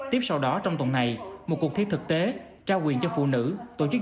tiếp sau đó trong tuần này một cuộc thi thực tế trao quyền cho phụ nữ tổ chức